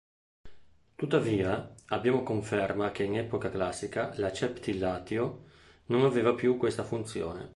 Tuttavia abbiamo conferma che in epoca classica l’"acceptilatio" non aveva più questa funzione.